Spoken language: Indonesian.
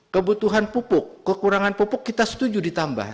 kebutuhan pupuk kekurangan pupuk kita setuju ditambah